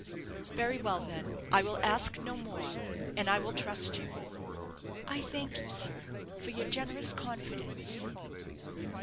"Very well, then, I will ask no more; and I will trust you." "I thank you, sir, for your generous confidence."